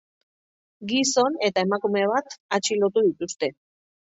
Gizon eta emakume bat atxilotu dituzte.